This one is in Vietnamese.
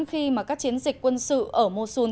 khi mà các chiến dịch quân sự ở mosul